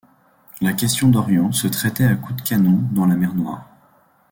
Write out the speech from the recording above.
La question d’Orient se traitait à coups de canon dans la mer Noire.